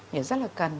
nếu rất là cần